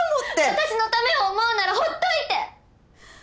私のためを思うならほっといて！